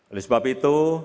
oleh sebab itu